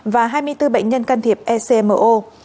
và hai mươi bốn bệnh nhân can thiệp ecmo